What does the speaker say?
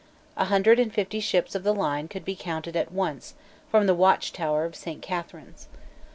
A hundred and fifty ships of the line could be counted at once from the watchtower of Saint Catharine's.